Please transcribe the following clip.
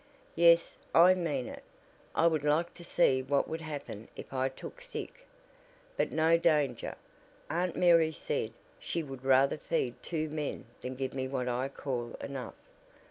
Yes, I mean it! I would like to see what would happen if I took sick. But no danger. Aunt Mary said she would rather feed two men than give me what I call enough.